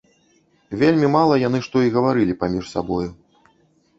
Вельмі мала яны што і гаварылі паміж сабою.